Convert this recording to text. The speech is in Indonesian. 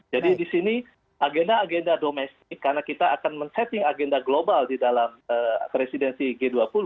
jadi di sini agenda agenda domestik karena kita akan men setting agenda global di dalam presidensi g dua puluh